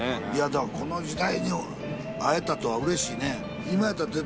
だからこの時代に会えたとはうれしいね。